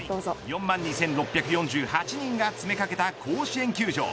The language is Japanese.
４万２６４８人が詰めかけた甲子園球場。